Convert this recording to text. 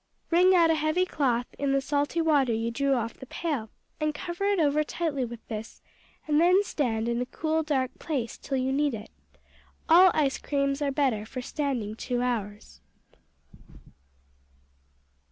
Wring out a heavy cloth in the salty water you drew off the pail, and cover it over tightly with this, and then stand in a cool, dark place till you need it; all ice creams are better for standing two hours.